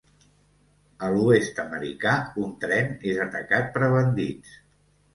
A l'Oest americà, un tren és atacat per bandits.